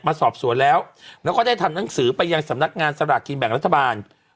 มาสอบสวนแล้วแล้วก็ได้ทำหนังสือไปยังสำนักงานสลากกินแบ่งรัฐบาล